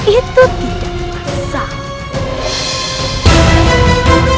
itu tidak berarti